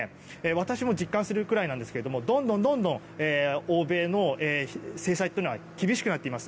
私も実感するくらいなんですけれどもどんどん欧米の制裁が厳しくなっています。